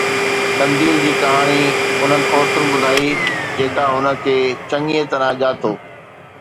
قنديل جي ڪهاڻي انهن عورتن ٻڌائي جيڪا هن کي چڱيءَ طرح ڄاتو